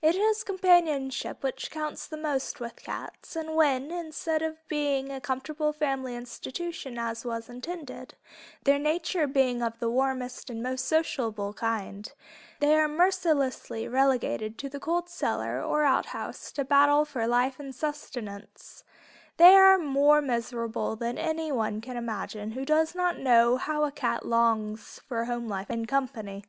It is companionship which counts the most with cats, and when, instead of being a comfortable family institution as was intended, their nature being of the warmest and most sociable kind, they are mercilessly relegated to the cold cellar or outhouse to battle for life and sustenance, they are more miserable than anyone can imagine who does not know how a cat longs for home life and company.